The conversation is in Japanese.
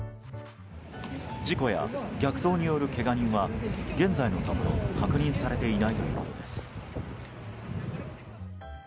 事故や逆走によるけが人は現在のところ、確認されていないということです。